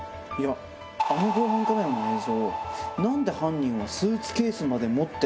あの防犯カメラの映像。